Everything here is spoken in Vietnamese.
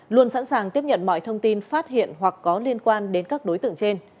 luôn sẵn sàng tiếp nhận mọi thông tin phát hiện hoặc có liên quan đến các đối tượng trên